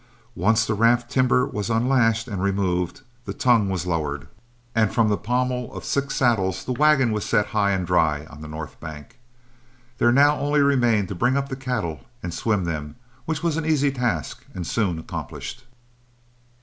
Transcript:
Once the raft timber was unlashed and removed, the tongue was lowered, and from the pommels of six saddles the wagon was set high and dry on the north bank. There now only remained to bring up the cattle and swim them, which was an easy task and soon accomplished.